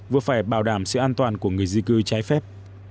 vừa phải bảo đảm sự an toàn của người di cư trái phép